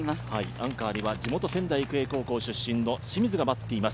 アンカーには地元・仙台育英高校出身の清水が待っています。